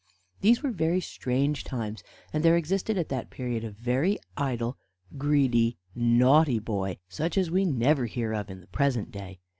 These were very strange times, and there existed at that period a very idle, greedy, naughty boy, such as we never hear of in the present day.